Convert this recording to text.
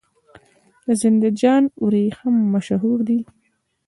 د زنده جان وریښم مشهور دي